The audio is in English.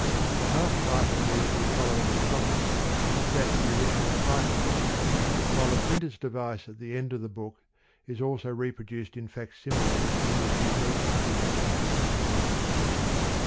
The half title immediately preceding the Sonnets is that of the origi nal title page, while the printer's device at the end of the book is also reproduced in facsimile from this unique edition.